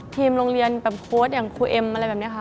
ทีมโรงเรียนแบบโค้ชอย่างครูเอ็มอะไรแบบนี้ค่ะ